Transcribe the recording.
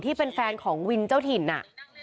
ที่เป็นแฟนของวินเจ้าถิ่นอ่ะ